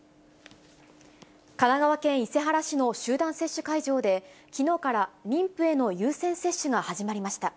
神奈川県伊勢原市の集団接種会場で、きのうから妊婦への優先接種が始まりました。